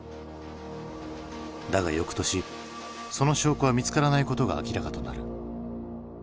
だがよくとしその証拠は見つからないことが明らかとなる。